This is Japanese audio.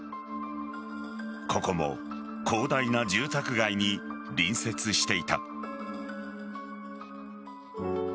ここも広大な住宅街に隣接していた。